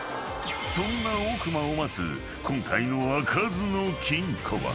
［そんな奥間を待つ今回の開かずの金庫は］